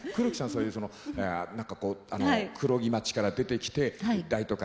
そういう何かこう黒木町から出てきて大都会